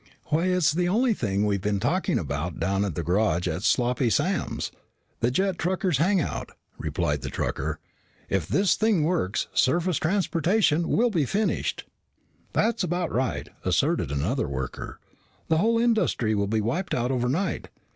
"Why, it's the only thing we've been talking about down at the garage and at Sloppy Sam's, the jet truckers hangout," replied the trucker. "If this thing works, surface transportation will be finished." "That's right," asserted another worker. "The whole industry will be wiped out overnight.